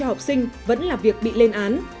học sinh vẫn làm việc bị lên án